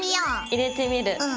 入れてみる。